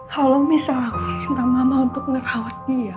kalau misalnya aku minta mama untuk ngerawat dia